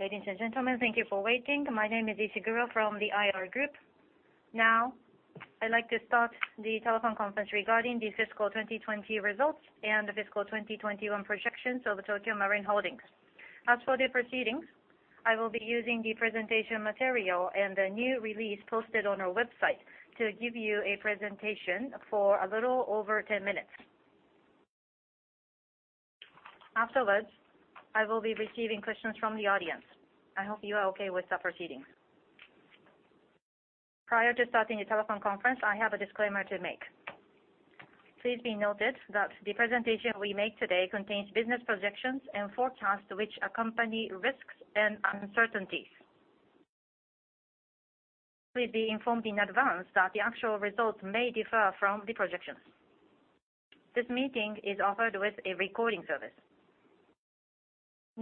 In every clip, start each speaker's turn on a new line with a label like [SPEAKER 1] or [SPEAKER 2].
[SPEAKER 1] Ladies and gentlemen, thank you for waiting. My name is Ishiguro from the IR group. I'd like to start the telephone conference regarding the fiscal 2020 results and the fiscal 2021 projections of Tokio Marine Holdings. As for the proceedings, I will be using the presentation material and the new release posted on our website to give you a presentation for a little over 10 minutes. Afterwards, I will be receiving questions from the audience. I hope you are okay with the proceedings. Prior to starting the telephone conference, I have a disclaimer to make. Please be noted that the presentation we make today contains business projections and forecasts which accompany risks and uncertainties. Please be informed in advance that the actual results may differ from the projections. This meeting is offered with a recording service.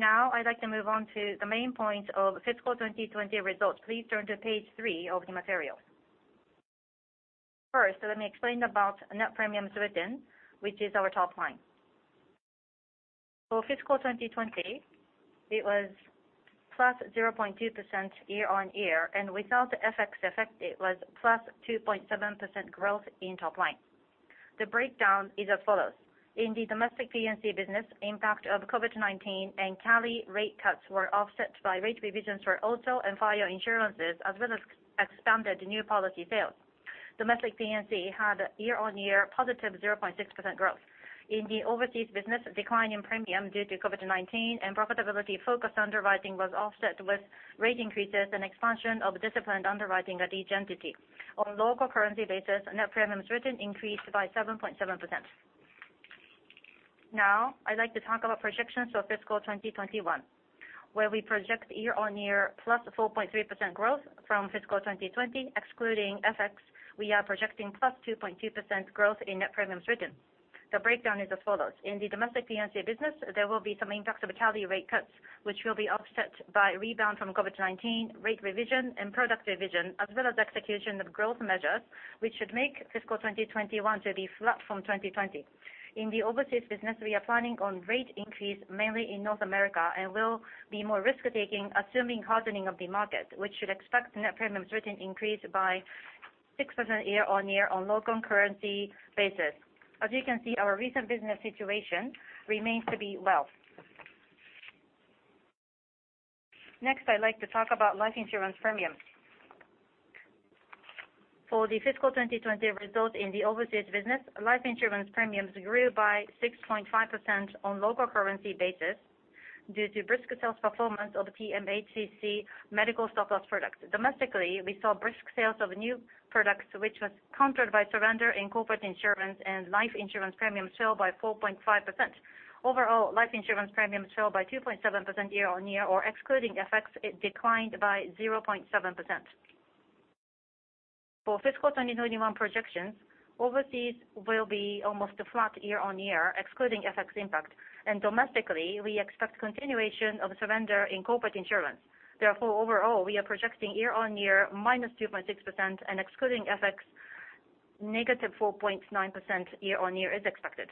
[SPEAKER 1] I'd like to move on to the main points of fiscal 2020 results. Please turn to page three of the material. First, let me explain about net premiums written, which is our top line. For fiscal 2020, it was +0.2% year-on-year. Without FX effect, it was +2.7% growth in top line. The breakdown is as follows. In the domestic P&C business, impact of COVID-19 and CALI rate cuts were offset by rate revisions for auto and fire insurances, as well as expanded new policy sales. Domestic P&C had year-on-year positive 0.6% growth. In the overseas business, decline in premium due to COVID-19 and profitability focused underwriting was offset with rate increases and expansion of disciplined underwriting at each entity. On local currency basis, net premiums written increased by 7.7%. I'd like to talk about projections for fiscal 2021, where we project year-on-year +4.3% growth from fiscal 2020. Excluding FX, we are projecting +2.2% growth in net premiums written. The breakdown is as follows. In the domestic P&C business, there will be some impacts of CALI rate cuts, which will be offset by rebound from COVID-19 rate revision and product revision, as well as execution of growth measures, which should make fiscal 2021 to be flat from 2020. In the overseas business, we are planning on rate increase mainly in North America, and will be more risk-taking, assuming hardening of the market, which should expect net premiums written increase by 6% year-on-year on local currency basis. As you can see, our recent business situation remains to be well. I'd like to talk about life insurance premiums. For the fiscal 2020 results in the overseas business, life insurance premiums grew by 6.5% on local currency basis due to brisk sales performance of Tokio Marine HCC medical surplus products. Domestically, we saw brisk sales of new products, which was countered by surrender in corporate insurance. Life insurance premiums fell by 4.5%. Overall, life insurance premiums fell by 2.7% year-on-year. Excluding FX, it declined by -0.7%. For fiscal 2021 projections, overseas will be almost flat year-on-year, excluding FX impact. Domestically, we expect continuation of surrender in corporate insurance. Therefore, overall, we are projecting year-on-year -2.6%. Excluding FX, -4.9% year-on-year is expected.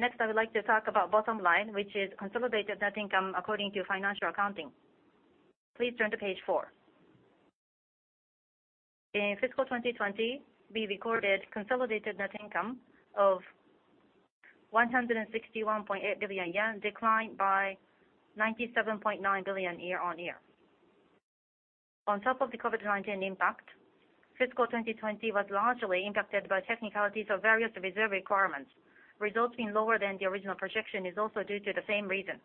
[SPEAKER 1] I would like to talk about bottom line, which is consolidated net income according to financial accounting. Please turn to page four. In fiscal 2020, we recorded consolidated net income of 161.8 billion yen, declined by 97.9 billion year-over-year. On top of the COVID-19 impact, fiscal 2020 was largely impacted by technicalities of various reserve requirements. Results being lower than the original projection is also due to the same reason.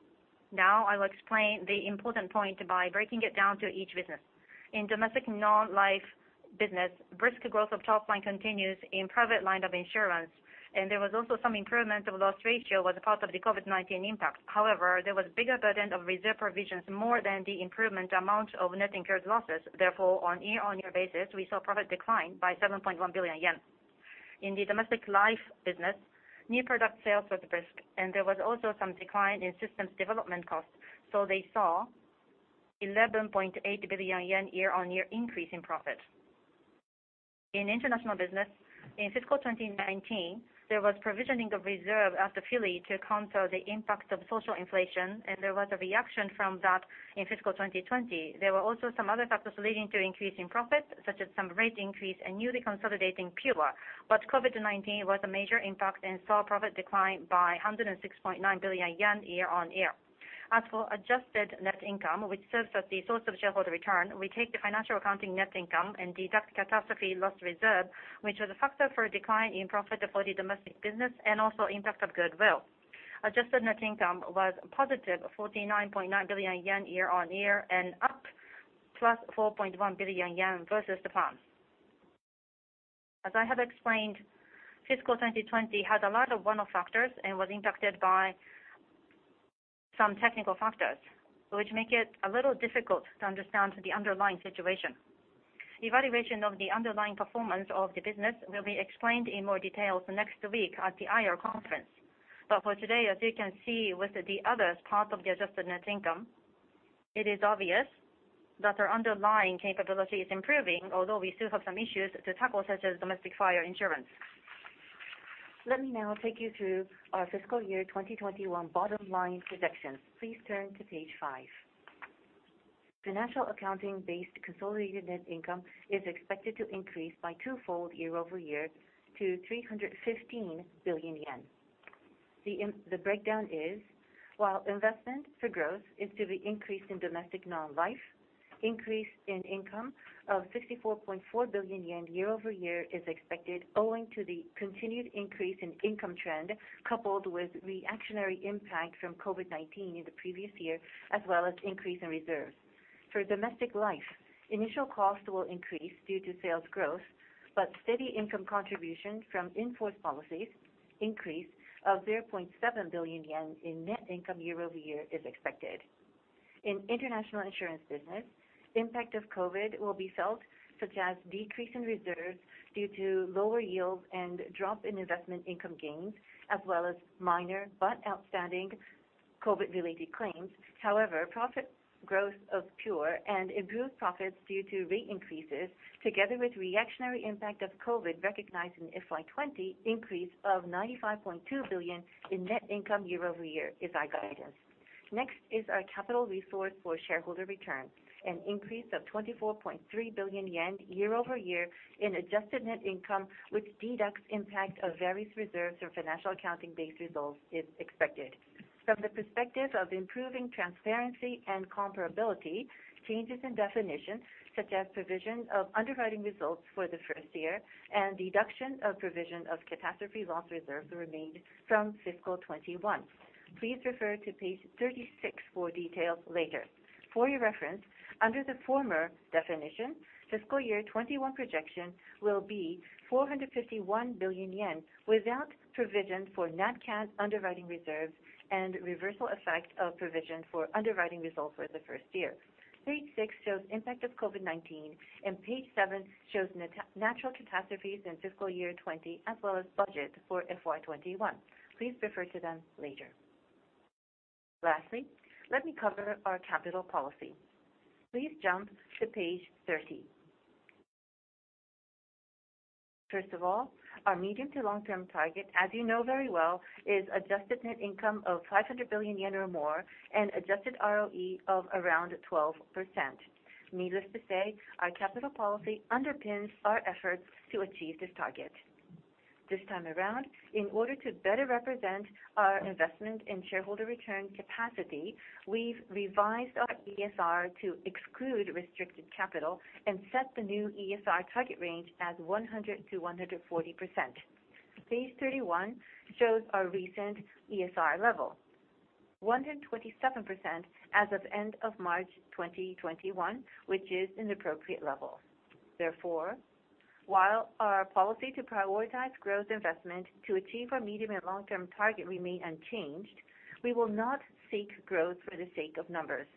[SPEAKER 1] I will explain the important point by breaking it down to each business. In domestic non-life business, brisk growth of top line continues in private line of insurance, and there was also some improvement of loss ratio as part of the COVID-19 impact. There was bigger burden of reserve provisions more than the improvement amount of net incurred losses. On year-over-year basis, we saw profit decline by 7.1 billion yen. In the domestic life business, new product sales was brisk, and there was also some decline in systems development costs, they saw 11.8 billion yen year-over-year increase in profit. In international business, in fiscal 2019, there was provisioning of reserve as the Philly to counter the impact of social inflation, and there was a reaction from that in fiscal 2020. There were also some other factors leading to increase in profit, such as some rate increase and newly consolidating Pure, COVID-19 was a major impact and saw profit decline by 106.9 billion yen year-over-year. As for adjusted net income, which serves as the source of shareholder return, we take the financial accounting net income and deduct catastrophe loss reserve, which was a factor for a decline in profit for the domestic business and also impact of goodwill. Adjusted net income was positive, 49.9 billion yen year-over-year and up plus 4.1 billion yen versus the plan. As I have explained, fiscal 2020 had a lot of one-off factors and was impacted by some technical factors, which make it a little difficult to understand the underlying situation. Evaluation of the underlying performance of the business will be explained in more details next week at the IR conference. For today, as you can see with the others, part of the adjusted net income
[SPEAKER 2] It is obvious that our underlying capability is improving, although we still have some issues to tackle, such as domestic fire insurance. I will take you through our fiscal year 2021 bottom line projections. Please turn to page five. The financial accounting-based consolidated net income is expected to increase by twofold year-over-year to 315 billion yen. The breakdown is, while investment for growth is to be increased in domestic non-life, increase in income of 64.4 billion yen year-over-year is expected owing to the continued increase in income trend, coupled with reactionary impact from COVID-19 in the previous year, as well as increase in reserve. For domestic life, initial cost will increase due to sales growth, steady income contribution from in-force policies increase of 0.7 billion yen in net income year-over-year is expected. In international insurance business, impact of COVID-19 will be felt, such as decrease in reserves due to lower yields and drop in investment income gains, as well as minor but outstanding COVID-19-related claims. However, profit growth of Pure Group and improved profits due to rate increases, together with reactionary impact of COVID-19 recognized in FY 2020, increase of 95.2 billion in net income year-over-year is our guidance. Next is our capital resource for shareholder return, an increase of 24.3 billion yen year-over-year in adjusted net income, which deducts impact of various reserves or financial accounting-based results is expected. From the perspective of improving transparency and comparability, changes in definition, such as provision of underwriting results for the first year and deduction of provision of catastrophe loss reserve remained from fiscal 2021. Please refer to page 36 for details later. For your reference, under the former definition, fiscal year 2021 projection will be 451 billion yen, without provision for nat cat underwriting reserves and reversal effect of provision for underwriting results for the first year. Page six shows impact of COVID-19, and page seven shows natural catastrophes in fiscal year 2020, as well as budget for FY 2021. Please refer to them later. Lastly, let me cover our capital policy. Please jump to page 30. First of all, our medium to long-term target, as you know very well, is adjusted net income of 500 billion yen or more and adjusted ROE of around 12%. Needless to say, our capital policy underpins our efforts to achieve this target. This time around, in order to better represent our investment in shareholder return capacity, we've revised our ESR to exclude restricted capital and set the new ESR target range as 100%-140%. Page 31 shows our recent ESR level, 127% as of end of March 2021, which is an appropriate level. Therefore, while our policy to prioritize growth investment to achieve our medium and long-term target remain unchanged, we will not seek growth for the sake of numbers.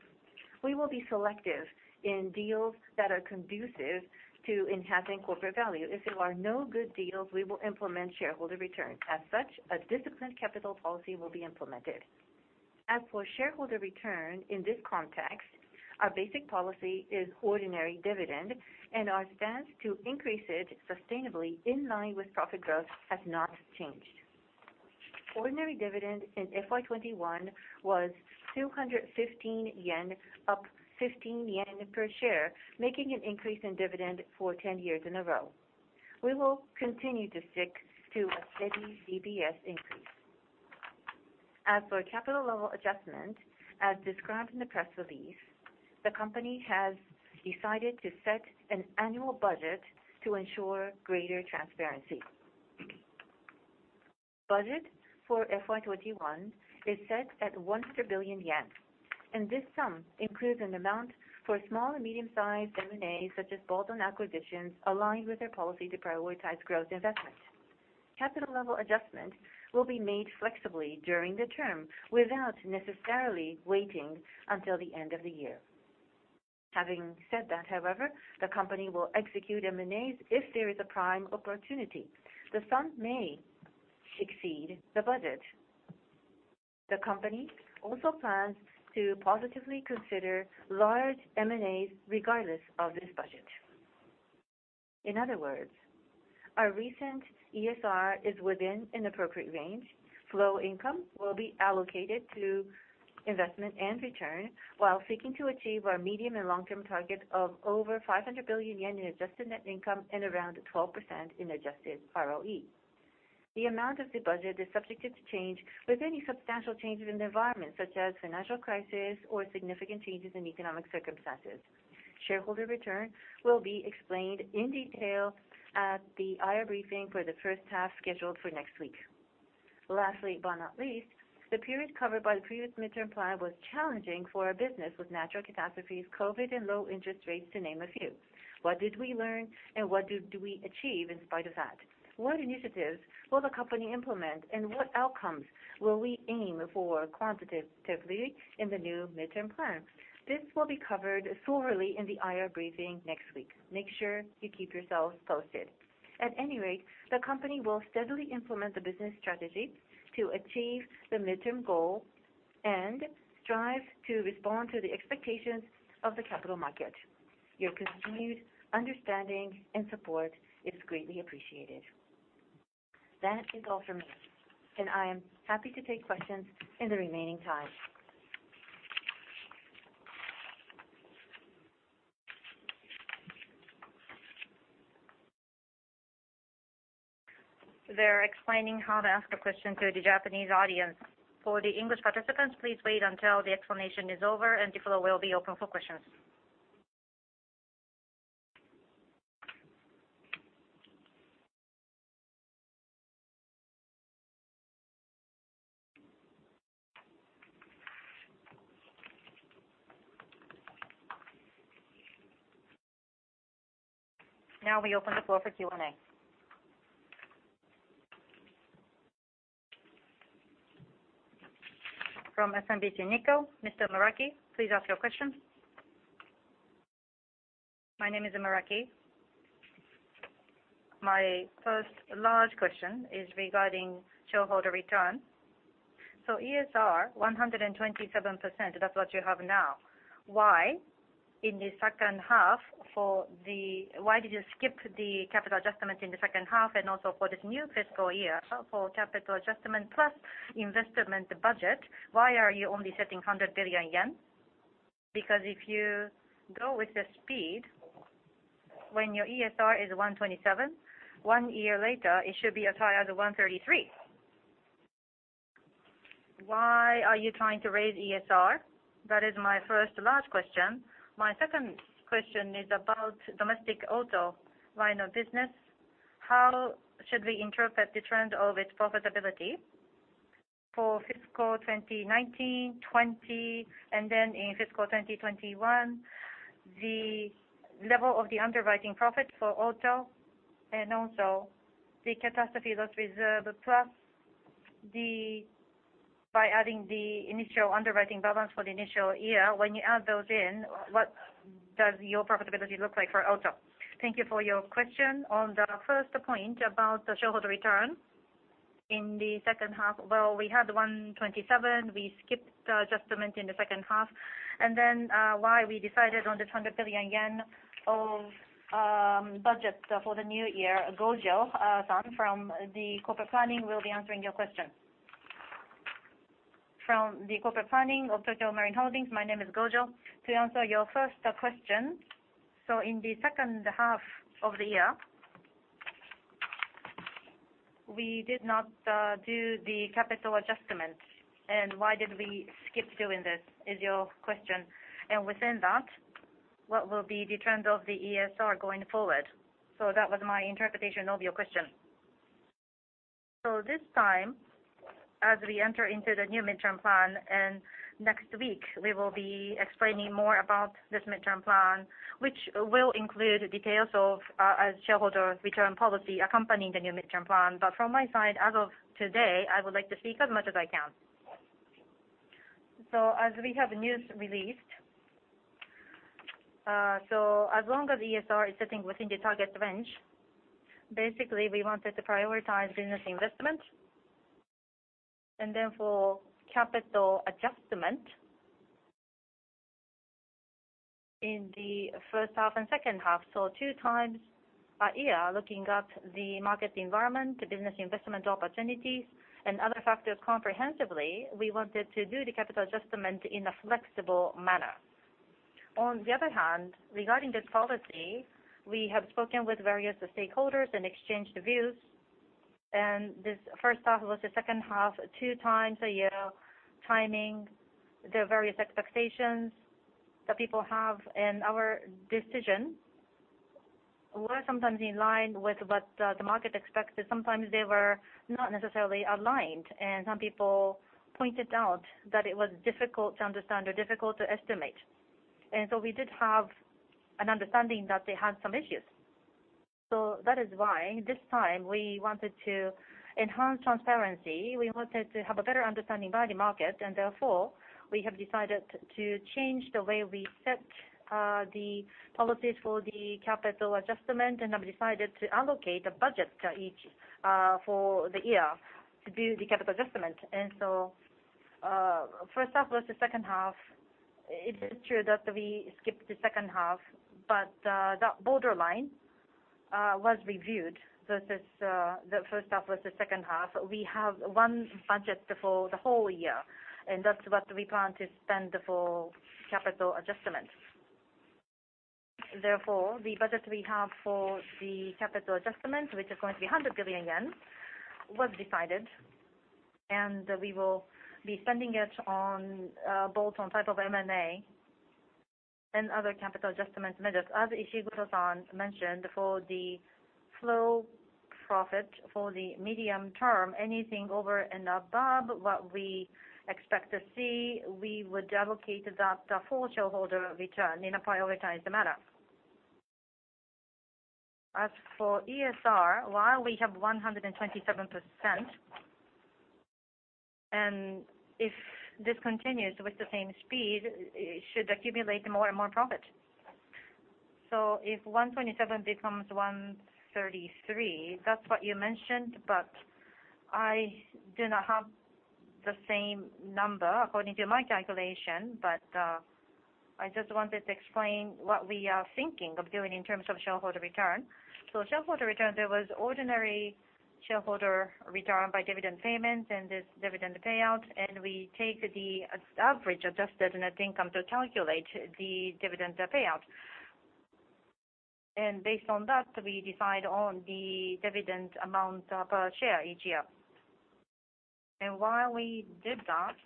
[SPEAKER 2] We will be selective in deals that are conducive to enhancing corporate value. If there are no good deals, we will implement shareholder return. As such, a disciplined capital policy will be implemented. As for shareholder return in this context, our basic policy is ordinary dividend, and our stance to increase it sustainably in line with profit growth has not changed. Ordinary dividend in FY 2021 was 215 yen, up 15 yen per share, making an increase in dividend for 10 years in a row. We will continue to stick to a steady DPS increase. As for capital level adjustment, as described in the press release, the company has decided to set an annual budget to ensure greater transparency. Budget for FY 2021 is set at 100 billion yen, and this sum includes an amount for small and medium-sized M&As, such as bolt-on acquisitions, aligned with our policy to prioritize growth investment. Capital level adjustment will be made flexibly during the term without necessarily waiting until the end of the year. Having said that, however, the company will execute M&As if there is a prime opportunity. The sum may exceed the budget. The company also plans to positively consider large M&As regardless of this budget. In other words, our recent ESR is within an appropriate range. Flow income will be allocated to investment and return while seeking to achieve our medium and long-term target of over 500 billion yen in adjusted net income and around 12% in adjusted ROE. The amount of the budget is subjected to change with any substantial changes in the environment, such as financial crisis or significant changes in economic circumstances. Shareholder return will be explained in detail at the IR briefing for the first half scheduled for next week. Lastly, but not least, the period covered by the previous midterm plan was challenging for our business with natural catastrophes, COVID, and low interest rates, to name a few. What did we learn and what did we achieve in spite of that? What initiatives will the company implement, and what outcomes will we aim for quantitatively in the new midterm plan? This will be covered thoroughly in the IR briefing next week. Make sure you keep yourselves posted. At any rate, the company will steadily implement the business strategy to achieve the midterm goal and strive to respond to the expectations of the capital market. Your continued understanding and support is greatly appreciated. That is all from me, and I am happy to take questions in the remaining time.
[SPEAKER 1] They're explaining how to ask a question to the Japanese audience. For the English participants, please wait until the explanation is over and the floor will be open for questions. Now we open the floor for Q&A. From SMBC Nikko, Mr. Maraki, please ask your question. My name is Maraki. My first large question is regarding shareholder return. ESR 127%, that's what you have now. Why did you skip the capital adjustment in the second half and also for this new fiscal year? For capital adjustment plus investment budget, why are you only setting 100 billion yen? Because if you go with the speed when your ESR is 127, one year later, it should be as high as 133. Why are you trying to raise ESR? That is my first large question. My second question is about domestic auto line of business. How should we interpret the trend of its profitability for fiscal 2019, 2020, and then in fiscal 2021, the level of the underwriting profit for auto and also the catastrophe loss reserve plus by adding the initial underwriting balance for the initial year, when you add those in, what does your profitability look like for auto?
[SPEAKER 2] Thank you for your question. On the first point about the shareholder return in the second half, well, we had 127. We skipped adjustment in the second half. Why we decided on the 100 billion yen of budget for the new year, Gojo from the Corporate Planning will be answering your question. From the Corporate Planning of Tokio Marine Holdings, my name is Gojo. To answer your first question, in the second half of the year, we did not do the capital adjustment. Why did we skip doing this is your question. Within that, what will be the trend of the ESR going forward? That was my interpretation of your question. This time, as we enter into the new midterm plan, next week, we will be explaining more about this midterm plan, which will include details of our shareholder return policy accompanying the new midterm plan. From my side, as of today, I would like to speak as much as I can. As we have news released, as long as ESR is sitting within the target range, basically we wanted to prioritize business investment for capital adjustment in the first half and second half, two times a year, looking at the market environment, the business investment opportunities, and other factors comprehensively, we wanted to do the capital adjustment in a flexible manner. On the other hand, regarding this policy, we have spoken with various stakeholders and exchanged views, and this first half plus the second half, two times a year timing, the various expectations that people have and our decision were sometimes in line with what the market expected. Sometimes they were not necessarily aligned, some people pointed out that it was difficult to understand or difficult to estimate. We did have an understanding that they had some issues. That is why this time we wanted to enhance transparency. We wanted to have a better understanding by the market, we have decided to change the way we set the policies for the capital adjustment and have decided to allocate a budget for the year to do the capital adjustment. First half plus the second half, it is true that we skipped the second half, that borderline was reviewed versus the first half plus the second half. We have one budget for the whole year, that's what we plan to spend for capital adjustments. Therefore, the budget we have for the capital adjustments, which is going to be 100 billion yen, was decided, we will be spending it both on type of M&A and other capital adjustment measures. As Ishiguro mentioned, for the flow profit for the medium term, anything over and above what we expect to see, we would allocate that for shareholder return in a prioritized manner. As for ESR, while we have 127%, if this continues with the same speed, it should accumulate more and more profit. If 127 becomes 133, that's what you mentioned, I do not have the same number according to my calculation. I just wanted to explain what we are thinking of doing in terms of shareholder return. Shareholder return, there was ordinary shareholder return by dividend payments and this dividend payout, we take the average adjusted net income to calculate the dividend payout. Based on that, we decide on the dividend amount per share each year. Why we did that,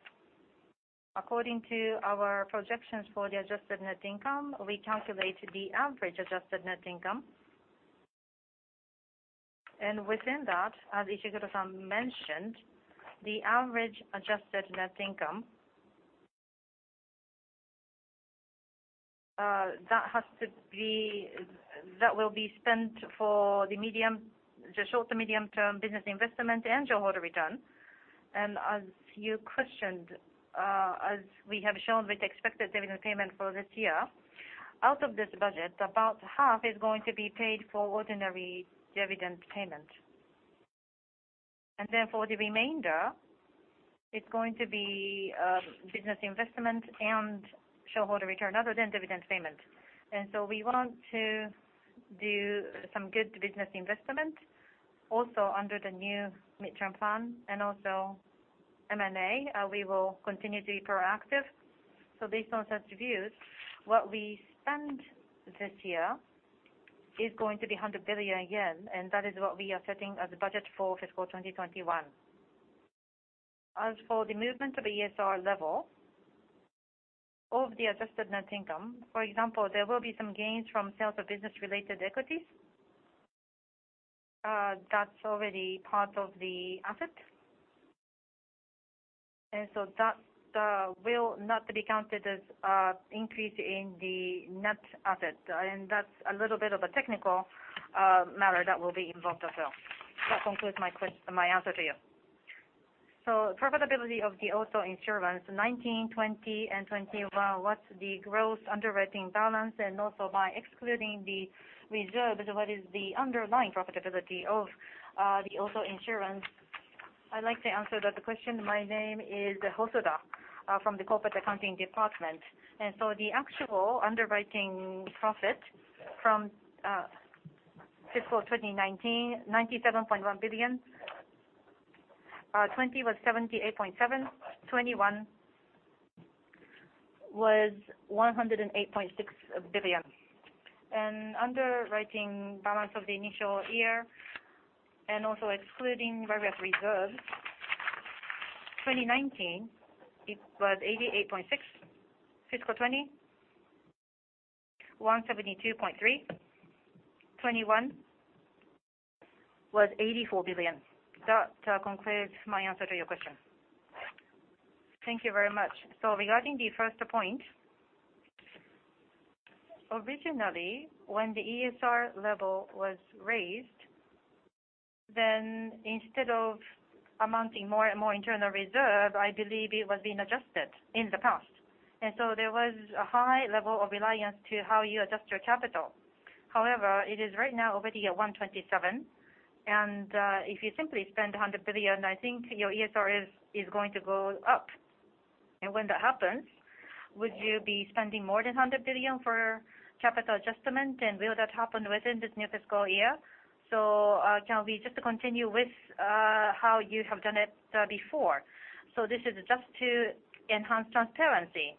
[SPEAKER 2] according to our projections for the adjusted net income, we calculate the average adjusted net income. Within that, as Ishiguro-san mentioned, the average adjusted net income that will be spent for the short to medium term business investment and shareholder return. As you questioned, as we have shown with expected dividend payment for this year, out of this budget, about half is going to be paid for ordinary dividend payment. Therefore, the remainder is going to be business investment and shareholder return other than dividend payment. We want to do some good business investment also under the new midterm plan and M&A. We will continue to be proactive. Based on such views, what we spend this year is going to be 100 billion yen, that is what we are setting as budget for fiscal 2021. As for the movement of ESR level of the adjusted net income, for example, there will be some gains from sales of business-related equities. That's already part of the asset. That will not be counted as increase in the net asset. That's a little bit of a technical matter that will be involved as well. That concludes my answer to you. Profitability of the auto insurance, 2019, 2020, and 2021, what's the growth underwriting balance? Also by excluding the reserve, what is the underlying profitability of the auto insurance? I'd like to answer that question. My name is Hosoda from the corporate accounting department. The actual underwriting profit from fiscal 2019, 97.1 billion. 2020 was 78.7 billion. 2021 was 108.6 billion. Underwriting balance of the initial year also excluding various reserves, 2019, it was 88.6 billion. Fiscal 2020, 172.3 billion. 2021 was 84 billion.
[SPEAKER 1] That concludes my answer to your question. Thank you very much. Regarding the first point, originally when the ESR level was raised, instead of amounting more and more internal reserve, I believe it was being adjusted in the past. There was a high level of reliance to how you adjust your capital. It is right now already at 127%, if you simply spend 100 billion, I think your ESR is going to go up. When that happens, would you be spending more than 100 billion for capital adjustment, will that happen within this new fiscal year? Can we just continue with how you have done it before? This is just to enhance transparency.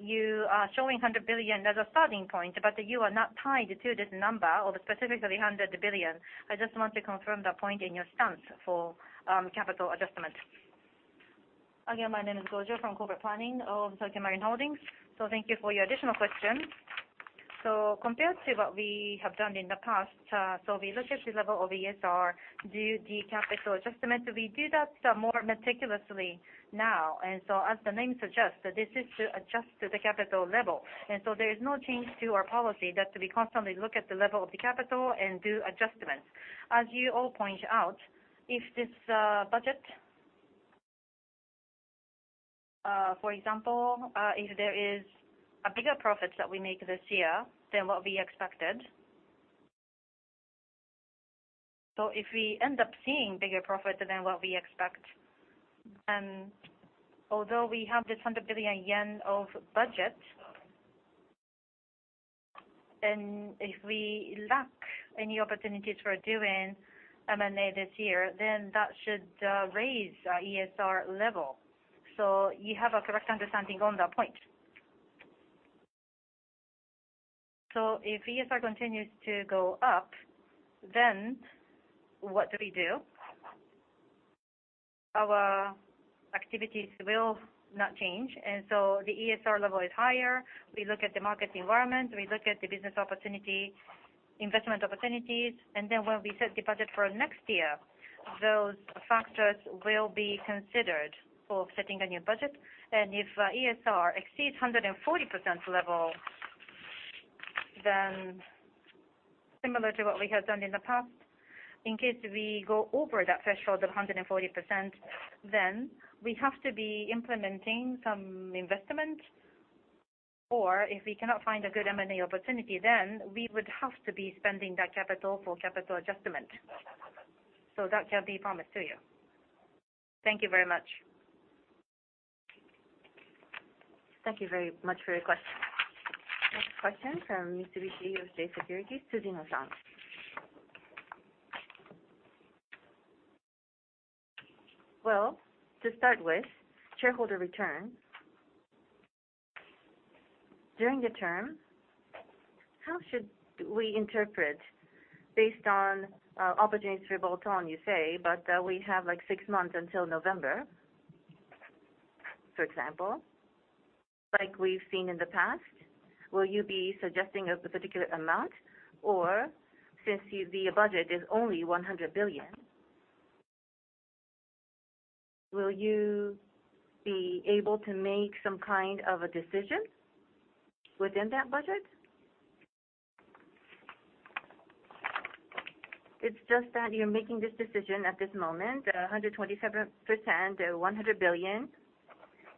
[SPEAKER 1] You are showing 100 billion as a starting point, you are not tied to this number of specifically 100 billion.
[SPEAKER 2] I just want to confirm that point and your stance for capital adjustment. Again, my name is Gojo from Corporate Planning of Tokio Marine Holdings. Thank you for your additional questions. Compared to what we have done in the past, we look at the level of ESR, do the capital adjustment. We do that more meticulously now. As the name suggests, this is to adjust the capital level. There is no change to our policy that we constantly look at the level of the capital and do adjustments. As you all point out, if this budget, for example, if there is a bigger profit that we make this year than what we expected, if we end up seeing bigger profit than what we expect, and although we have this 100 billion yen of budget, and if we lack any opportunities for doing M&A this year, then that should raise our ESR level. You have a correct understanding on that point. If ESR continues to go up, what do we do? Our activities will not change. The ESR level is higher. We look at the market environment, we look at the business opportunity, investment opportunities, and then when we set the budget for next year, those factors will be considered for setting a new budget. If ESR exceeds 140% level
[SPEAKER 1] Similar to what we have done in the past, in case we go over that threshold of 140%, then we have to be implementing some investment. Or if we cannot find a good M&A opportunity, then we would have to be spending that capital for capital adjustment. That can be promised to you. Thank you very much. Thank you very much for your question. Next question from Mitsubishi UFJ Securities, Suzuki Nozan. To start with, shareholder return. During the term, how should we interpret based on opportunities for bolt-on, you say, but we have six months until November, for example, like we've seen in the past. Will you be suggesting a particular amount, or since the budget is only 100 billion, will you be able to make some kind of a decision within that budget?
[SPEAKER 2] It's just that you're making this decision at this moment, 127%, 100 billion.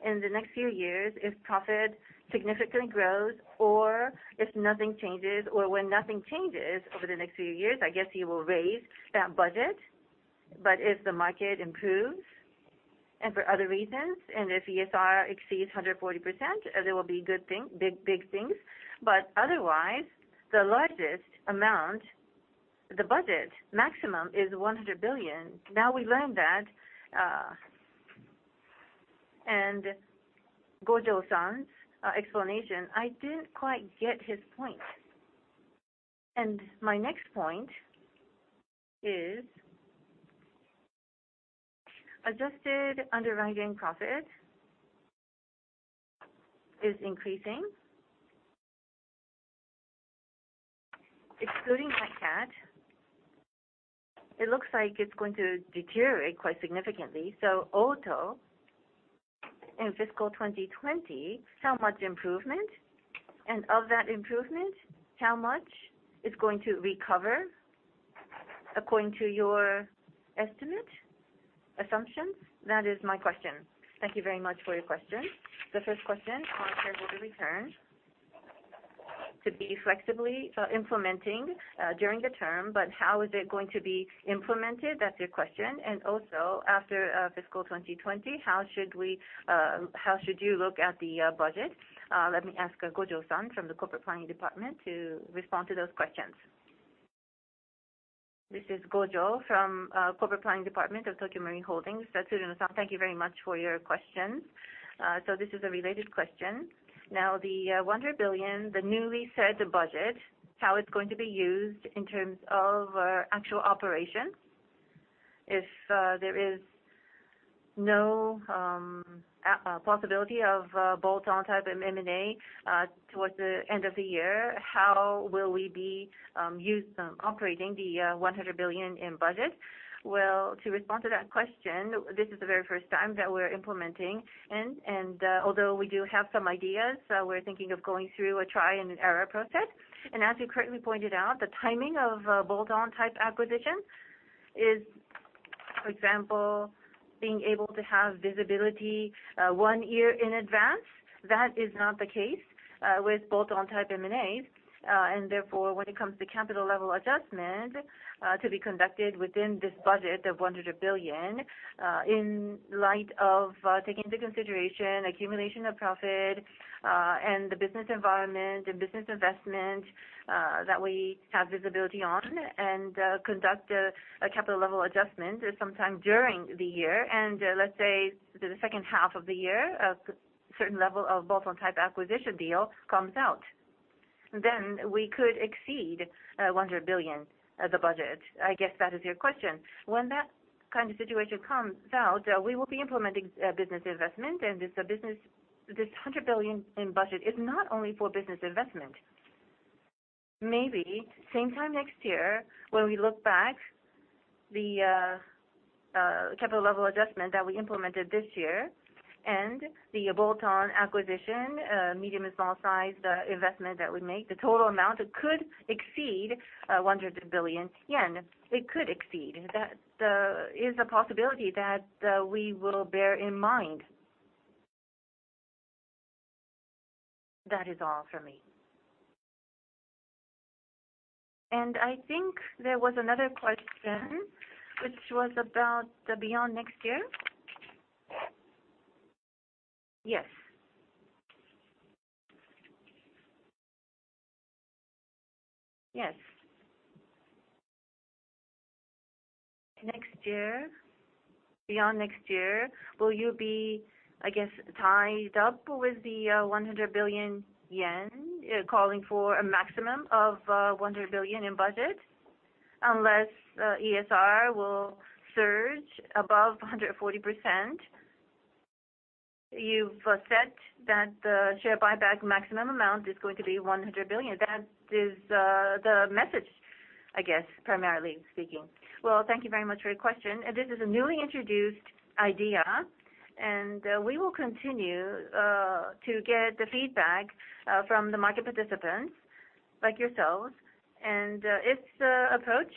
[SPEAKER 2] In the next few years, if profit significantly grows or if nothing changes, or when nothing changes over the next few years, I guess you will raise that budget. If the market improves and for other reasons, if ESR exceeds 140%, there will be big things. Otherwise, the largest amount, the budget maximum is 100 billion. Now we learned that. Gojo-san's explanation, I didn't quite get his point. My next point is adjusted underwriting profit is increasing. Excluding that cat, it looks like it's going to deteriorate quite significantly. Auto in FY 2020, how much improvement, and of that improvement, how much is going to recover according to your estimate assumptions? That is my question. Thank you very much for your question.
[SPEAKER 1] The first question on shareholder return, to be flexibly implementing during the term. How is it going to be implemented, that's your question. Also, after fiscal 2020, how should you look at the budget? Let me ask Gojo-san from the Corporate Planning Department to respond to those questions. This is Gojo from Corporate Planning Department of Tokio Marine Holdings. Suzuki-san, thank you very much for your questions. This is a related question. Now, the 100 billion, the newly set budget, how it's going to be used in terms of actual operations. If there is no possibility of bolt-on type M&A towards the end of the year, how will we be operating the 100 billion in budget? To respond to that question, this is the very first time that we're implementing. Although we do have some ideas, we're thinking of going through a trial-and-error process.
[SPEAKER 2] As you correctly pointed out, the timing of a bolt-on type acquisition is, for example, being able to have visibility one year in advance. That is not the case with bolt-on type M&As. Therefore, when it comes to capital level adjustment to be conducted within this budget of 100 billion, in light of taking into consideration accumulation of profit and the business environment and business investment that we have visibility on and conduct a capital level adjustment sometime during the year. Let's say the second half of the year, a certain level of bolt-on type acquisition deal comes out, then we could exceed 100 billion, the budget. I guess that is your question. When that kind of situation comes out, we will be implementing business investment, and this 100 billion in budget is not only for business investment. Maybe same time next year, when we look back, the capital level adjustment that we implemented this year and the bolt-on acquisition, medium and small size investment that we make, the total amount could exceed 100 billion yen. It could exceed. That is a possibility that we will bear in mind. That is all for me. I think there was another question which was about beyond next year. Yes. Yes. Next year, beyond next year, will you be, I guess, tied up with the 100 billion yen, calling for a maximum of 100 billion in budget, unless ESR will surge above 140%? You've said that the share buyback maximum amount is going to be 100 billion. That is the message I guess, primarily speaking. Thank you very much for your question. This is a newly introduced idea, we will continue to get the feedback from the market participants like yourselves. If the approach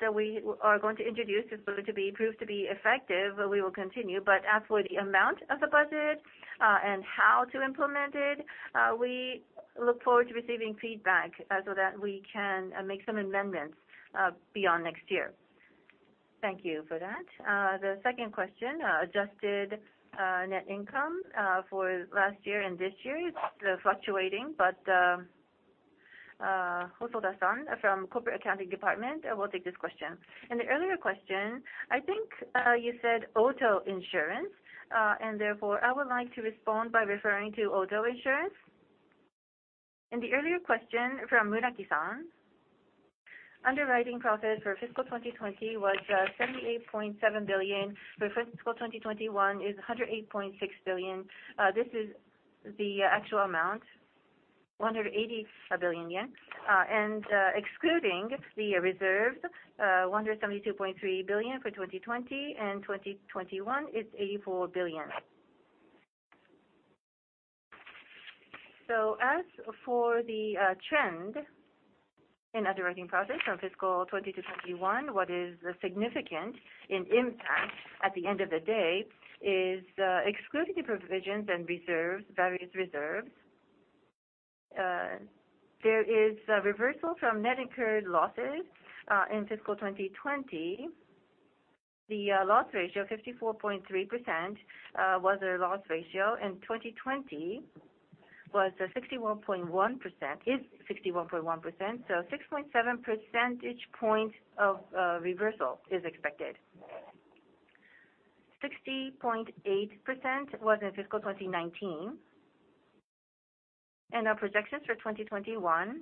[SPEAKER 2] that we are going to introduce is going to be proved to be effective, we will continue. As for the amount of the budget and how to implement it, we look forward to receiving feedback so that we can make some amendments beyond next year. Thank you for that. The second question, adjusted net income for last year and this year is fluctuating. Hosoda-san from Corporate Accounting Department will take this question. In the earlier question, I think you said auto insurance. Therefore, I would like to respond by referring to auto insurance. In the earlier question from Muraki-san, underwriting profit for fiscal 2020 was 78.7 billion. For fiscal 2021, it's 108.6 billion. This is the actual amount, 180 billion yen. Excluding the reserve, 172.3 billion for 2020, 2021, it is 84 billion. As for the trend in underwriting profit from FY 2020 to FY 2021, what is significant in impact at the end of the day is, excluding the provisions and reserves, various reserves, there is a reversal from net incurred losses in FY 2020. The loss ratio, 54.3%, was their loss ratio, 2020 is 61.1%, so 6.7 percentage points of reversal is expected. 60.8% was in FY 2019. Our projections for 2021,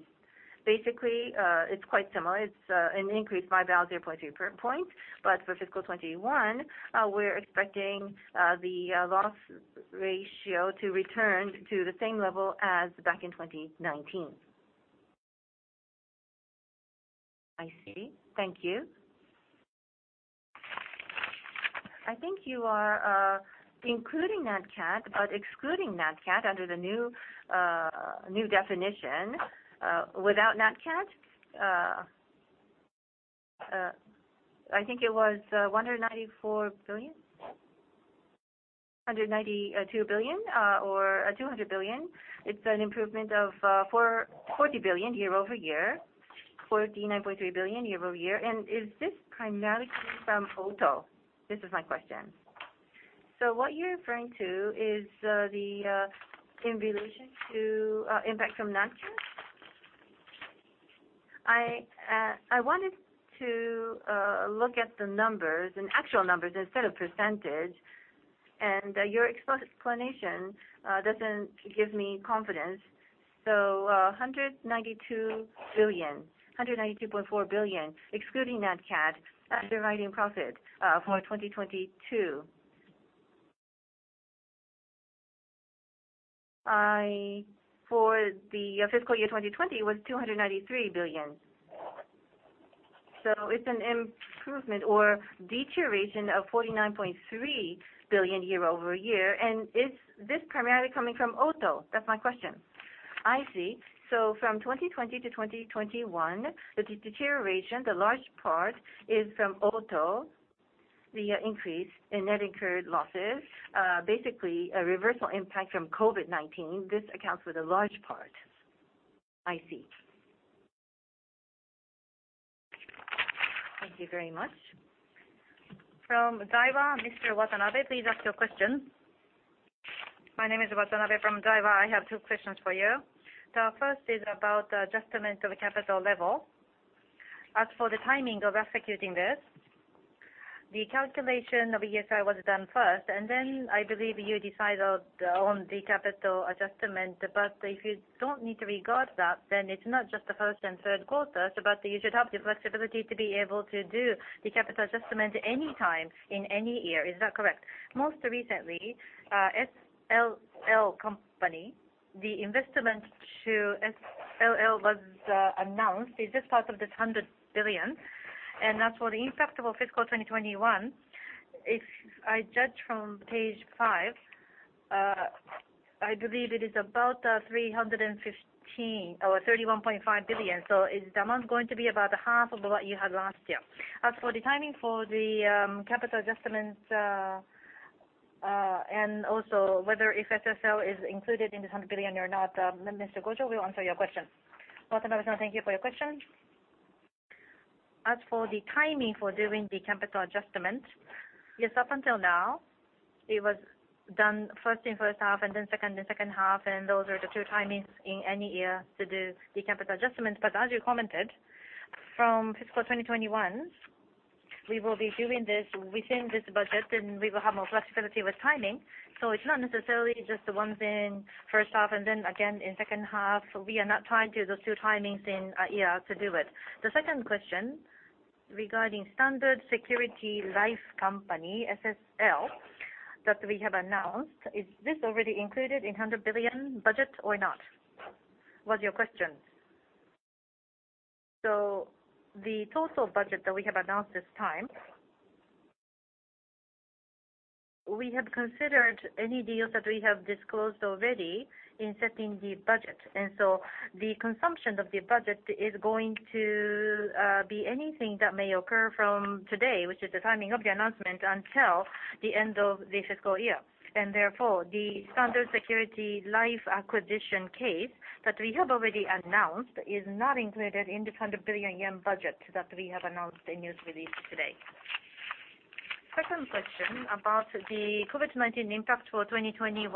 [SPEAKER 2] basically, it is quite similar. It is an increase by about 0.3 points. For FY 2021, we are expecting the loss ratio to return to the same level as back in 2019. I see. Thank you. I think you are including Nat cat, excluding Nat cat under the new definition. Without Nat cat, I think it was 194 billion, 192 billion, or 200 billion. It is an improvement of 40 billion year-over-year, 49.3 billion year-over-year. Is this primarily from auto? This is my question. What you are referring to is the impact from Nat cat? I wanted to look at the numbers and actual numbers instead of percentage, your explanation does not give me confidence. 192.4 billion, excluding Nat cat, underwriting profit for 2022. For FY 2020, it was JPY 293 billion. It is an improvement or deterioration of 49.3 billion year-over-year. Is this primarily coming from auto? That is my question. I see. From 2020 to 2021, the deterioration, the large part is from auto, the increase in net incurred losses. Basically, a reversal impact from COVID-19. This accounts for the large part. I see. Thank you very much. From Daiwa, Mr. Watanabe, please ask your question.
[SPEAKER 3] My name is Watanabe from Daiwa. I have two questions for you. The first is about the adjustment of capital level. As for the timing of executing this, the calculation of ESI was done first, I believe you decided on the capital adjustment. If you do not need to regard that, then it is not just the first and third quarters, you should have the flexibility to be able to do the capital adjustment any time in any year. Is that correct? Most recently, SSL company, the investment to SSL was announced. Is this part of this 100 billion? As for the impact of FY 2021, if I judge from page 5, I believe it is about 31.5 billion. Is the amount going to be about half of what you had last year?
[SPEAKER 1] As for the timing for the capital adjustments, also whether if SSL is included in this 100 billion or not, Mr. Gojo will answer your question. Watanabe-san, thank you for your question. As for the timing for doing the capital adjustment, yes, up until now, it was done first in first half, then second in second half, those are the two timings in any year to do the capital adjustment. As you commented, from FY 2021, we will be doing this within this budget, we will have more flexibility with timing. It is not necessarily just the ones in first half, then again in second half. We are not tied to those two timings in a year to do it. The second question.
[SPEAKER 2] Regarding Standard Security Life Company, SSL, that we have announced, is this already included in 100 billion budget or not? Was your question. The total budget that we have announced this time, we have considered any deals that we have disclosed already in setting the budget. The consumption of the budget is going to be anything that may occur from today, which is the timing of the announcement, until the end of this fiscal year. Therefore, the Standard Security Life acquisition case that we have already announced is not included in the 100 billion yen budget that we have announced in news release today. Second question about the COVID-19 impact for 2021.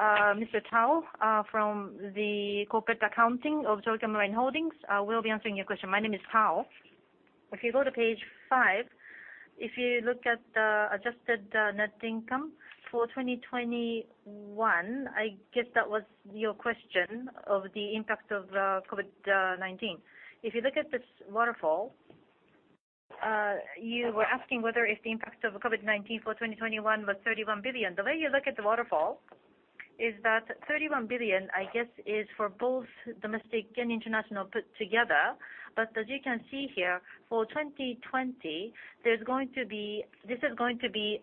[SPEAKER 2] Mr. Tao from the Corporate Accounting of Tokio Marine Holdings will be answering your question. My name is Tao. If you go to page five, if you look at the adjusted net income for 2021, I guess that was your question of the impact of COVID-19. If you look at this waterfall, you were asking whether if the impact of COVID-19 for 2021 was 31 billion. The way you look at the waterfall is that 31 billion, I guess, is for both domestic and international put together. As you can see here, for 2020, this is going to be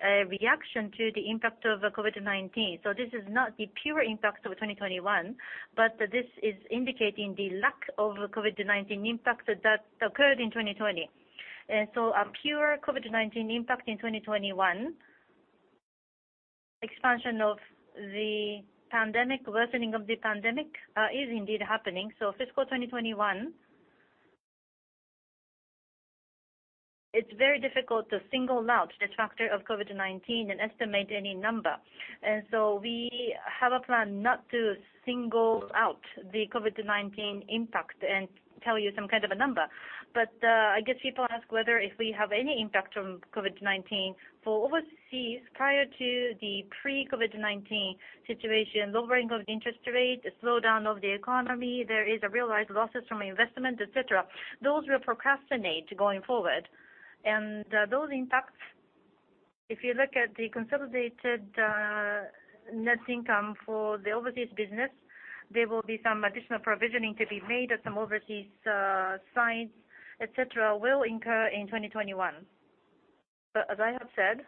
[SPEAKER 2] a reaction to the impact of COVID-19. This is not the pure impact of 2021, but this is indicating the lack of COVID-19 impact that occurred in 2020. A pure COVID-19 impact in 2021, expansion of the pandemic, worsening of the pandemic, is indeed happening. FY 2021, it's very difficult to single out the factor of COVID-19 and estimate any number. We have a plan not to single out the COVID-19 impact and tell you some kind of a number. I guess people ask whether if we have any impact from COVID-19 for overseas prior to the pre-COVID-19 situation, lowering of interest rate, slowdown of the economy, there is a realized losses from investment, et cetera. Those will procrastinate going forward. Those impacts, if you look at the consolidated net income for the overseas business, there will be some additional provisioning to be made at some overseas sites, et cetera, will incur in 2021. As I have said,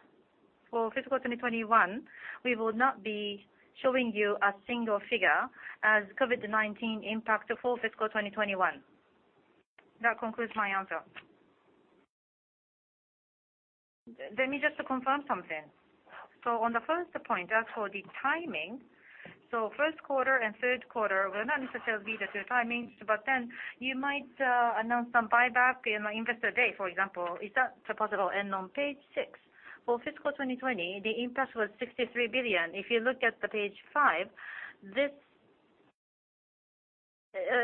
[SPEAKER 2] for FY 2021, we will not be showing you a single figure as COVID-19 impact for FY 2021. That concludes my answer. Let me just confirm something.
[SPEAKER 3] On the first point, as for the timing, first quarter and third quarter will not necessarily be the two timings, you might announce some buyback in Investor Day, for example. Is that possible? On page six, for FY 2020, the impact was 63 billion. If you look at the page five,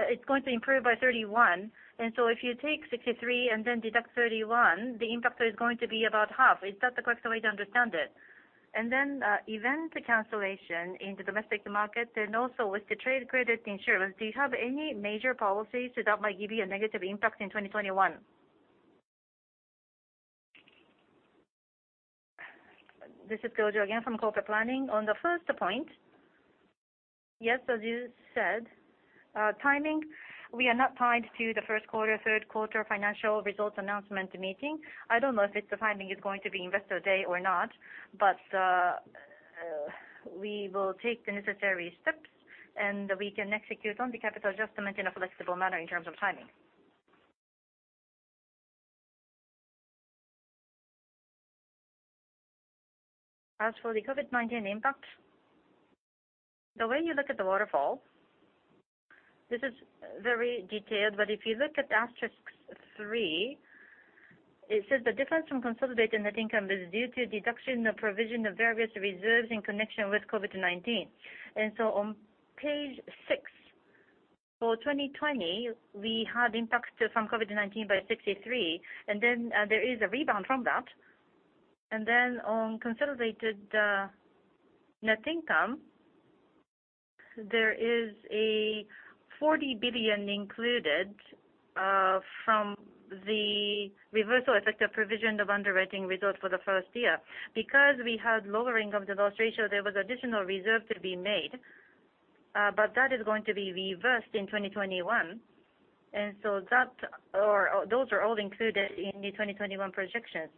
[SPEAKER 3] it's going to improve by 31 billion. If you take 63 billion and deduct 31 billion, the impact is going to be about half. Is that the correct way to understand it? Event cancellation in the domestic market and also with the trade credit insurance, do you have any major policies that might give you a negative impact in 2021? This is Kojo again from Corporate Planning. On the first point, yes, as you said, timing, we are not tied to the first quarter, third quarter financial results announcement meeting.
[SPEAKER 2] I don't know if the timing is going to be Investor Day or not. We will take the necessary steps. We can execute on the capital adjustment in a flexible manner in terms of timing. As for the COVID-19 impact, the way you look at the waterfall, this is very detailed. If you look at asterisk 3, it says, "The difference from consolidated net income is due to deduction of provision of various reserves in connection with COVID-19." On page six, for 2020, we had impact from COVID-19 by 63 billion. There is a rebound from that. On consolidated net income, there is 40 billion included from the reversal effect of provision of underwriting result for the first year. Because we had lowering of the loss ratio, there was additional reserve to be made. That is going to be reversed in 2021. Those are all included in the 2021 projections.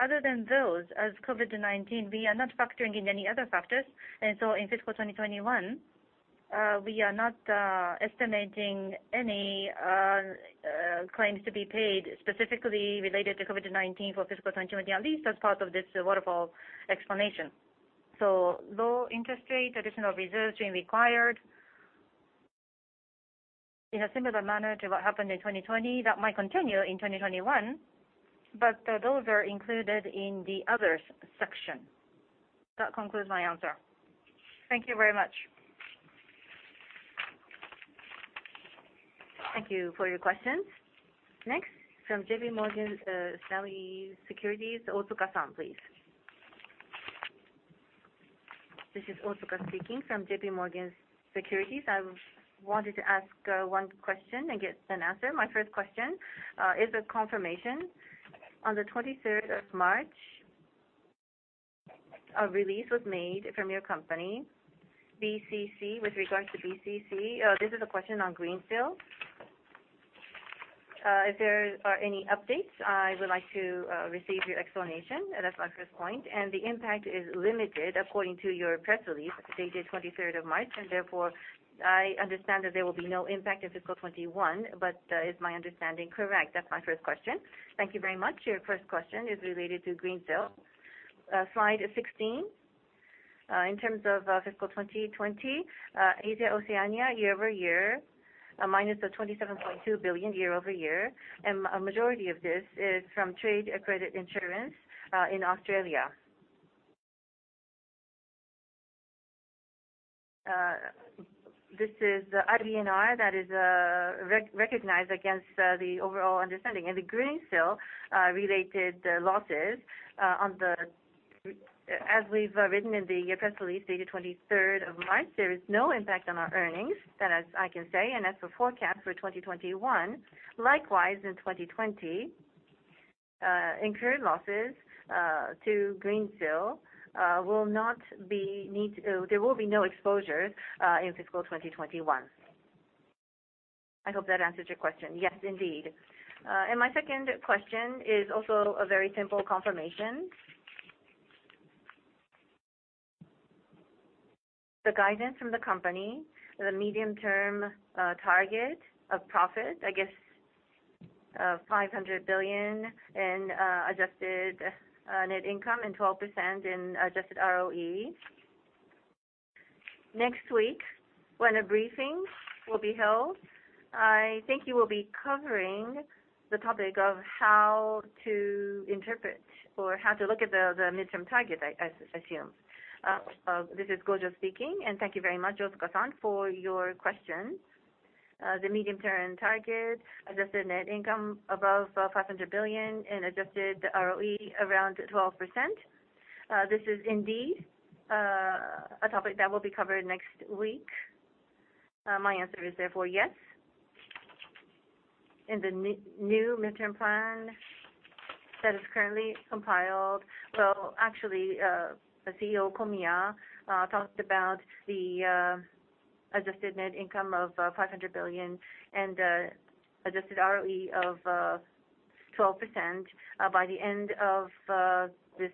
[SPEAKER 2] Other than those, as COVID-19, we are not factoring in any other factors. In fiscal 2021, we are not estimating any claims to be paid specifically related to COVID-19 for fiscal 2021, at least as part of this waterfall explanation. Low interest rate, additional reserves being required in a similar manner to what happened in 2020, that might continue in 2021. Those are included in the others section. That concludes my answer. Thank you very much. Thank you for your questions. Next, from JPMorgan Securities, Otuka-san, please. This is Osuka speaking from JPMorgan Securities. I wanted to ask one question and get an answer. My first question is a confirmation. On the 23rd of March, a release was made from your company, BCC, with regards to BCC. This is a question on Greensill. If there are any updates, I would like to receive your explanation. That's my first point. The impact is limited according to your press release, dated 23rd of March. Therefore, I understand that there will be no impact in FY 2021. Is my understanding correct? That's my first question. Thank you very much. Your first question is related to Greensill. Slide 16. In terms of fiscal 2020, Asia Oceania, year-over-year, a minus of 27.2 billion year-over-year. A majority of this is from trade credit insurance in Australia. This is the IBNR that is recognized against the overall understanding. The Greensill related losses, as we've written in the press release dated 23rd of March, there is no impact on our earnings, that as I can say. As for forecast for 2021, likewise in 2020, incurred losses to Greensill, there will be no exposure in fiscal 2021. I hope that answers your question. Yes, indeed. My second question is also a very simple confirmation. The guidance from the company, the medium-term target of profit, I guess, of 500 billion in adjusted net income and 12% in adjusted ROE. Next week, when a briefing will be held, I think you will be covering the topic of how to interpret or how to look at the midterm target, I assume. This is Gojo speaking. Thank you very much, Osuka-san, for your question. The medium-term target, adjusted net income above 500 billion and adjusted ROE around 12%. This is indeed a topic that will be covered next week. My answer is therefore yes. In the new midterm plan that is currently compiled, well, actually, CEO Komiya talked about the adjusted net income of 500 billion and adjusted ROE of 12% by the end of this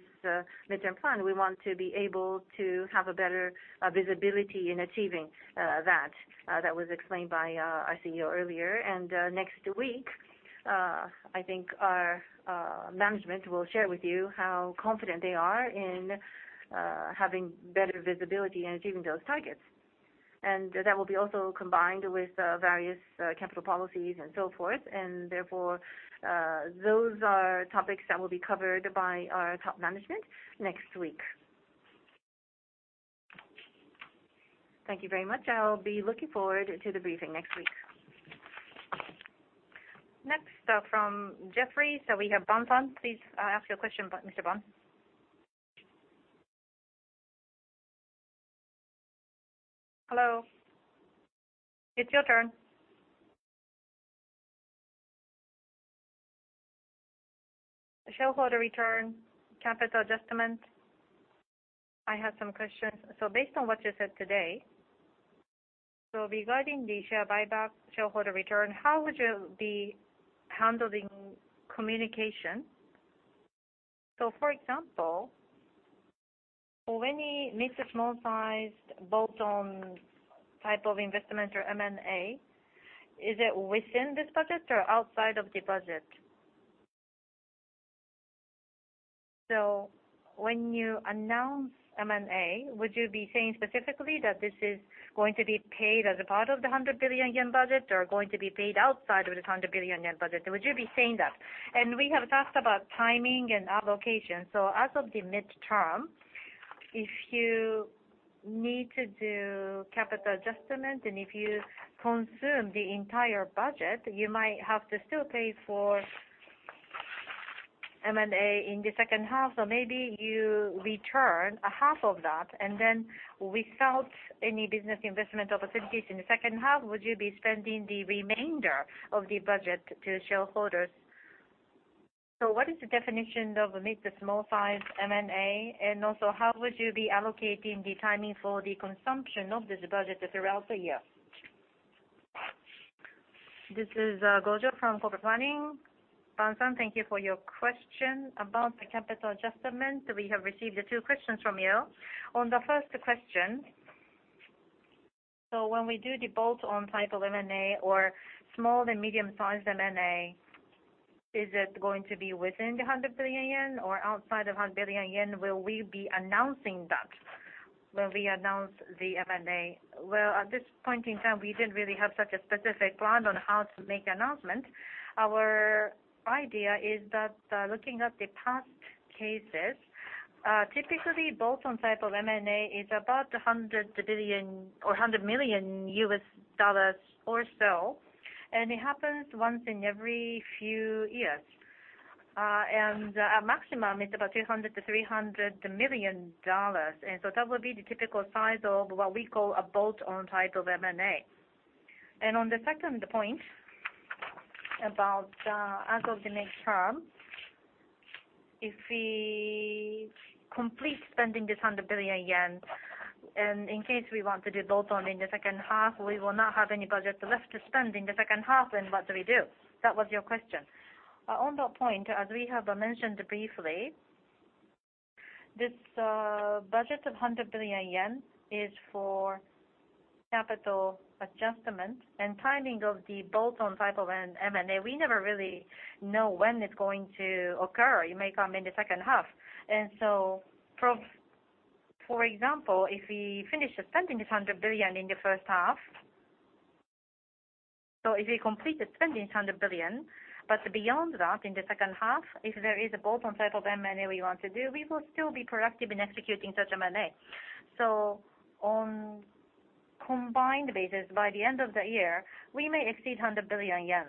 [SPEAKER 2] midterm plan. We want to be able to have a better visibility in achieving that. That was explained by our CEO earlier. Next week, I think our management will share with you how confident they are in having better visibility in achieving those targets. That will be also combined with various capital policies and so forth. Therefore, those are topics that will be covered by our top management next week. Thank you very much. I'll be looking forward to the briefing next week. Next, from Jefferies, so we have Ban-san. Please ask your question, Mr. Ban. Hello. It's your turn.
[SPEAKER 4] Shareholder return, capital adjustment. I have some questions. Based on what you said today, so regarding the share buyback, shareholder return, how would you be handling communication? For example, for any mid to small-sized bolt-on type of investment or M&A, is it within this budget or outside of the budget? When you announce M&A, would you be saying specifically that this is going to be paid as a part of the 100 billion yen budget or going to be paid outside of the 100 billion yen budget? Would you be saying that? We have talked about timing and allocation. As of the midterm, if you need to do capital adjustment, and if you consume the entire budget, you might have to still pay for M&A in the second half.
[SPEAKER 1] Maybe you return a half of that, and then without any business investment opportunities in the second half, would you be spending the remainder of the budget to shareholders? What is the definition of mid to small size M&A, and also how would you be allocating the timing for the consumption of this budget throughout the year?
[SPEAKER 2] This is Gojo from Corporate Planning. Ban-san, thank you for your question about the capital adjustment. We have received two questions from you. On the first question, when we do the bolt-on type of M&A or small to medium-sized M&A, is it going to be within 100 billion yen or outside of 100 billion yen? Will we be announcing that when we announce the M&A? At this point in time, we didn't really have such a specific plan on how to make announcement. Our idea is that looking at the past cases, typically bolt-on type of M&A is about 100 billion or $100 million or so, it happens once in every few years. Our maximum is about $200 million-$300 million. That would be the typical size of what we call a bolt-on type of M&A. On the second point, about as of the midterm, if we complete spending this 100 billion yen and in case we want to do bolt-on in the second half, we will not have any budget left to spend in the second half. What do we do? That was your question. On that point, as we have mentioned briefly, this budget of 100 billion yen is for capital adjustment and timing of the bolt-on type of M&A. We never really know when it's going to occur. It may come in the second half. For example, if we finish spending this 100 billion in the first half, if we complete spending 100 billion, but beyond that, in the second half, if there is a bolt-on type of M&A we want to do, we will still be proactive in executing such M&A. On combined basis, by the end of the year, we may exceed 100 billion yen,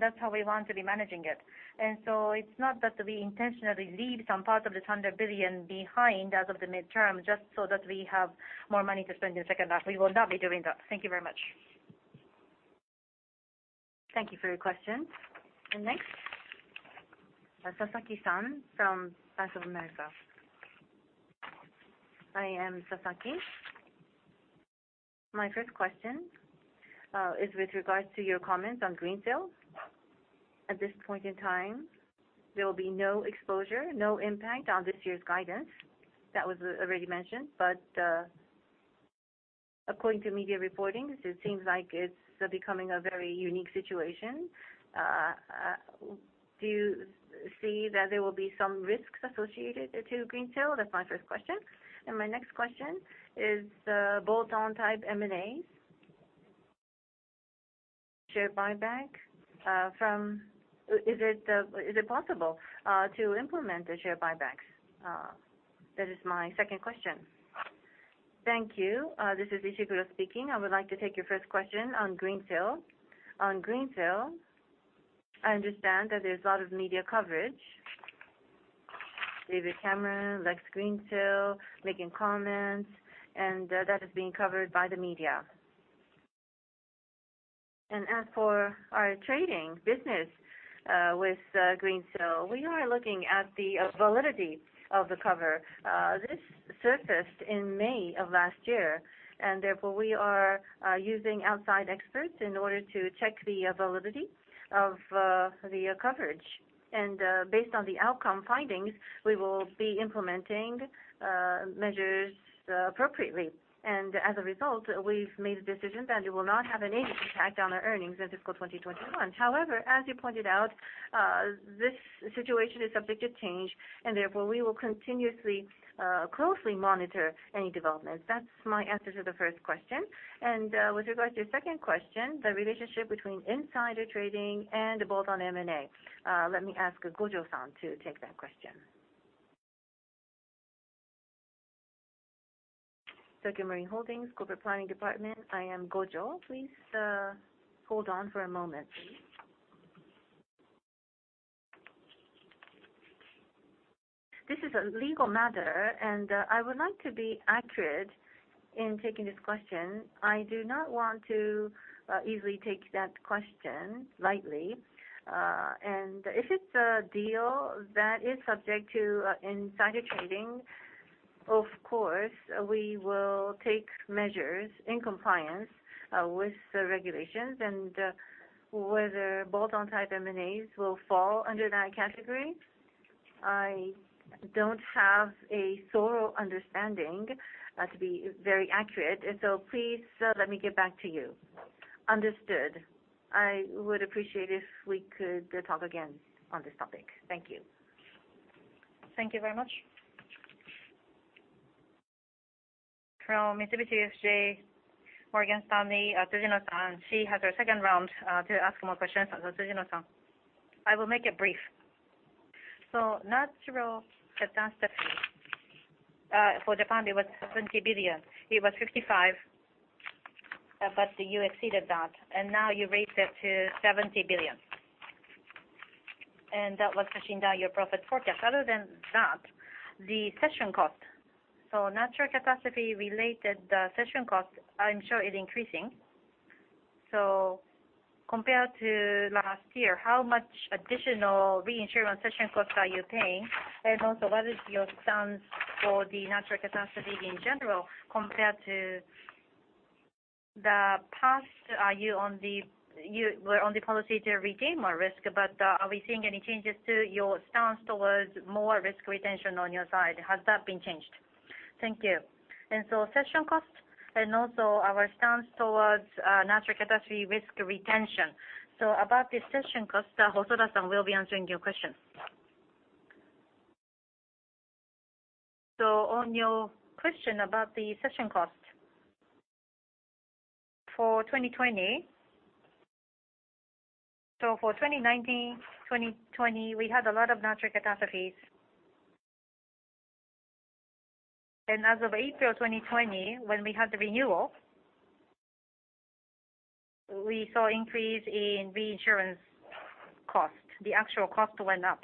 [SPEAKER 2] that's how we want to be managing it. It's not that we intentionally leave some part of this 100 billion behind as of the midterm, just so that we have more money to spend in the second half. We will not be doing that. Thank you very much. Thank you for your question. Next, Sasaki-san from Bank of America. I am Sasaki. My first question is with regards to your comments on Greensill. At this point in time, there will be no exposure, no impact on this year's guidance. That was already mentioned, but according to media reportings, it seems like it's becoming a very unique situation. Do you see that there will be some risks associated to Greensill? That's my first question. My next question is the bolt-on type M&A, share buyback. Is it possible to implement the share buybacks? That is my second question. Thank you. This is Ishikura speaking. I would like to take your first question on Greensill. On Greensill, I understand that there's a lot of media coverage. David Cameron likes Greensill, making comments, that is being covered by the media. As for our trading business with Greensill, we are looking at the validity of the cover. This surfaced in May of last year, therefore we are using outside experts in order to check the validity of the coverage. Based on the outcome findings, we will be implementing measures appropriately. As a result, we've made a decision that it will not have any impact on our earnings in fiscal 2021. However, as you pointed out, this situation is subject to change and therefore we will continuously, closely monitor any developments. That's my answer to the first question. With regards to your second question, the relationship between insider trading and the bolt-on M&A, let me ask Gojo-san to take that question. Tokio Marine Holdings, Corporate Planning Department. I am Gojo. Please hold on for a moment, please. This is a legal matter, and I would like to be accurate in taking this question. I do not want to easily take that question lightly. If it's a deal that is subject to insider trading, of course, we will take measures in compliance with the regulations and whether bolt-on type M&As will fall under that category, I don't have a thorough understanding to be very accurate. Please let me get back to you. Understood. I would appreciate if we could talk again on this topic. Thank you. Thank you very much. From Mitsubishi UFJ Morgan Stanley, Tsujino-san. She has her second round to ask more questions. Tsujino-san.
[SPEAKER 5] I will make it brief. Natural catastrophe for the fund, it was 55, but you exceeded that, and now you've raised it to 70 billion. That was pushing down your profit forecast. Other than that, the cession cost. Natural catastrophe related cession cost, I'm sure is increasing. Compared to last year, how much additional reinsurance cession costs are you paying? What is your stance for the natural catastrophe in general compared to the past? You were on the policy to retain more risk, but are we seeing any changes to your stance towards more risk retention on your side? Has that been changed?
[SPEAKER 2] Thank you. Cession cost and also our stance towards natural catastrophe risk retention. About the cession cost, Hosoda-san will be answering your question.
[SPEAKER 6] On your question about the cession cost. For 2019, 2020, we had a lot of natural catastrophes. As of April 2020, when we had the renewal, we saw increase in reinsurance cost. The actual cost went up.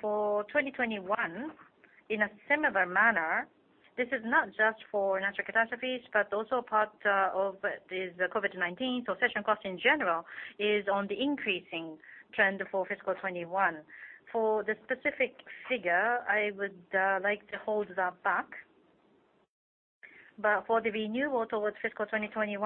[SPEAKER 6] For 2021, in a similar manner, this is not just for natural catastrophes, but also part of this COVID-19. Cession cost in general is on the increasing trend for fiscal 2021. For the specific figure, I would like to hold that back. For the renewal towards fiscal 2021,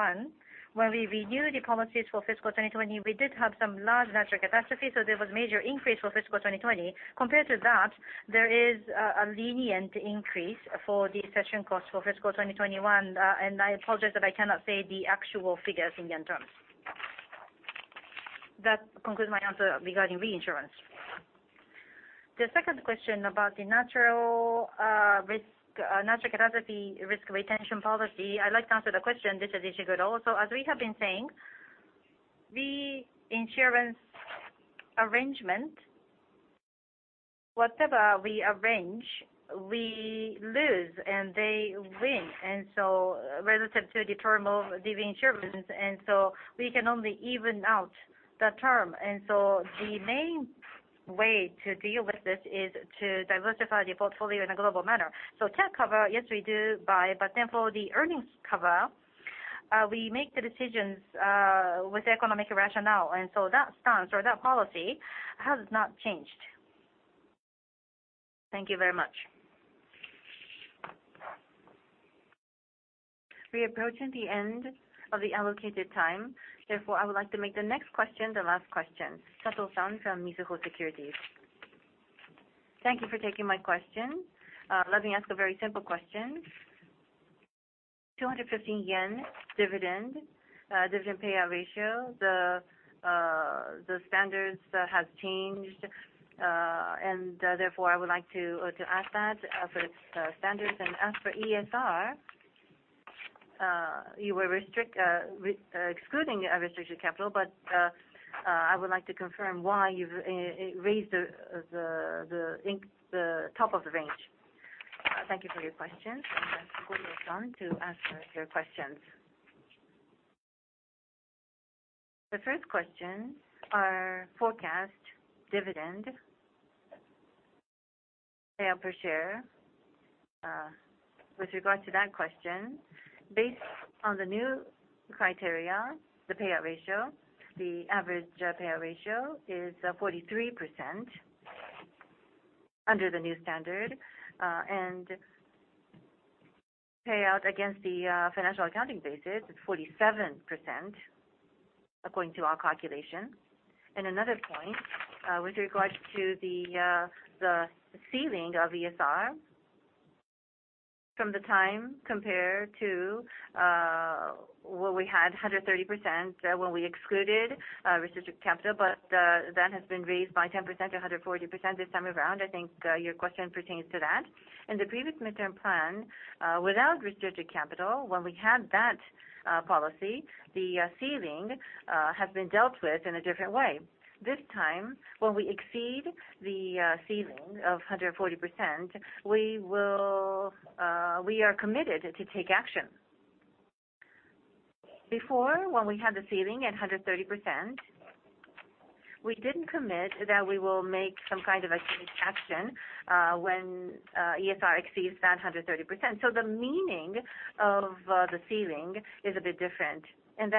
[SPEAKER 6] when we renew the policies for fiscal 2020, we did have some large natural catastrophes, so there was major increase for fiscal 2020. Compared to that, there is a lenient increase for the cession cost for fiscal 2021. I apologize that I cannot say the actual figures in JPY terms. That concludes my answer regarding reinsurance.
[SPEAKER 1] The second question about the natural catastrophe risk retention policy. I'd like to answer the question. This is Ishiguro. As we have been saying, reinsurance arrangement, whatever we arrange, we lose and they win. Relative to the term of the insurance. We can only even out the term. The main way to deal with this is to diversify the portfolio in a global manner. Tech cover, yes, we do buy. For the earnings cover, we make the decisions with economic rationale. That stance or that policy has not changed. Thank you very much.
[SPEAKER 2] We are approaching the end of the allocated time. Therefore, I would like to make the next question the last question. Sato-san from Mizuho Securities. Thank you for taking my question. Let me ask a very simple question. 215 yen dividend payout ratio, the standards has changed, therefore I would like to ask that for the standards and as for ESR, you were excluding restricted capital, I would like to confirm why you've raised the top of the range. Thank you for your question. I ask Ishiguro-san to answer your questions.
[SPEAKER 1] The first question are forecast dividend payout per share. With regard to that question, based on the new criteria, the payout ratio, the average payout ratio is 43% under the new standard, payout against the financial accounting basis is 47%, according to our calculation. Another point, with regards to the ceiling of ESR from the time compared to what we had 130% when we excluded restricted capital, but that has been raised by 10% to 140% this time around. I think your question pertains to that. In the previous midterm plan, without restricted capital, when we had that policy, the ceiling has been dealt with in a different way. This time, when we exceed the ceiling of 140%, we are committed to take action. Before, when we had the ceiling at 130%, we didn't commit that we will make some kind of a take action when ESR exceeds that 130%. The meaning of the ceiling is a bit different, and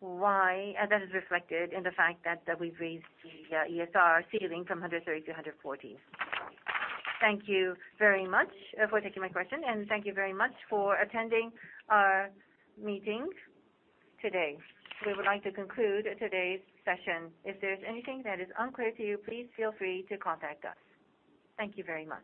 [SPEAKER 1] that is reflected in the fact that we've raised the ESR ceiling from 130 to 140.
[SPEAKER 2] Thank you very much for taking my question, and thank you very much for attending our meeting today. We would like to conclude today's session. If there's anything that is unclear to you, please feel free to contact us. Thank you very much.